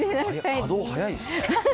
稼働早いですね。